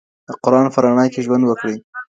د قران په رڼا کي ژوند وکړئ.